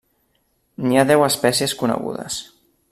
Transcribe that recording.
N'hi ha deu espècies conegudes.